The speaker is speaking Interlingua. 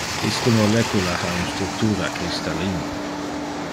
Iste molecula ha un structura crystallin.